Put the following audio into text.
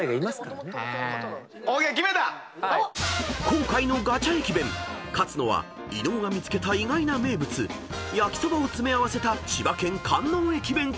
［今回のガチャ駅弁勝つのは伊野尾が見つけた意外な名物焼きそばを詰め合わせた千葉県］